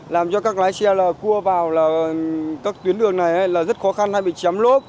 làm cho các lái xe cua vào các tuyến đường này rất khó khăn hay bị chém lốp